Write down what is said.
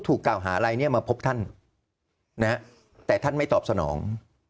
ถูกกล่าวหาอะไรเนี่ยมาพบท่านนะฮะแต่ท่านไม่ตอบสนอง